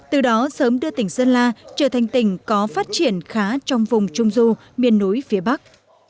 từ đó sớm đưa tỉnh sơn la trở thành tỉnh có phát triển khá trong vùng trung du miền núi phía bắc